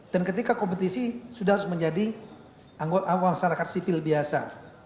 dan ketika kompetisi sudah harus menjadi anggota masyarakat sipil biasa